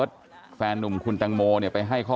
แล้วดีใจ